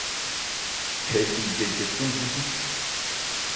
Hɛ bhi gɛ jɛtɛn búdú.